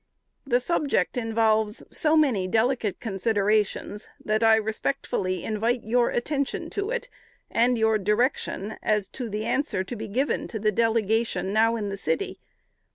The subject involves so many delicate considerations, that I respectfully invite your attention to it, and your direction as to the answer to be given to the delegation now in the city.